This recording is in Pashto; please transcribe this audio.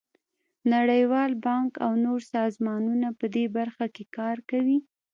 نړیوال بانک او نور سازمانونه په دې برخه کې کار کوي.